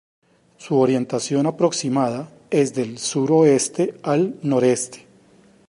Su orientación aproximada es del suroeste al noreste.